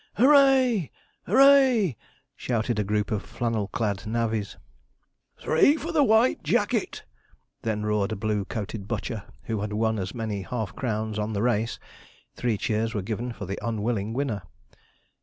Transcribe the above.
hoo ray! hoo ray!' shouted a group of flannel clad navvies. 'Three for white jacket!' then roared a blue coated butcher, who had won as many half crowns on the race. Three cheers were given for the unwilling winner.